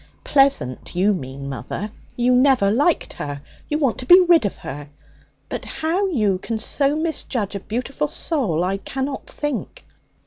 'Pleasant, you mean, mother. You never liked her. You want to be rid of her. But how you can so misjudge a beautiful soul I cannot think.